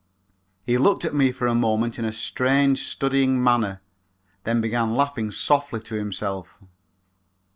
He looked at me for a moment in a strange, studying manner, then began laughing softly to himself.